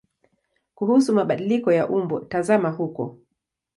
Kuhusu mabadiliko ya umbo tazama huko.